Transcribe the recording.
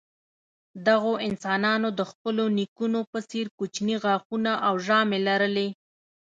دغو انسانانو د خپلو نیکونو په څېر کوچني غاښونه او ژامې لرلې.